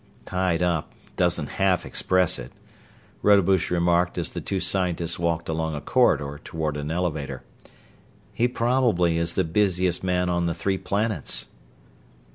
"Tied up, doesn't half express it," Rodebush remarked as the two scientists walked along a corridor toward an elevator. "He probably is the busiest man on the three planets."